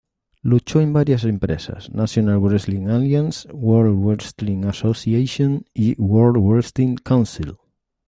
Luchó en varias empresas, National Wrestling Alliance, World Wrestling Association y World Wrestling Council.